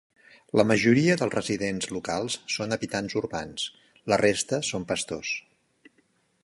La majoria dels residents locals són habitants urbans; la resta són pastors.